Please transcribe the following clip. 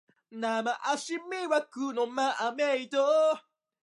テレビショッピングを利用する人は高齢者が多いと思う。